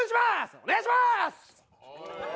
お願いします！